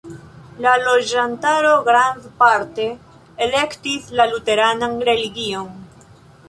La loĝantaro grandparte elektis la luteranan religion.